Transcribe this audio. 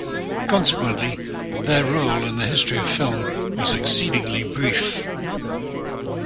Consequently, their role in the history of film was exceedingly brief.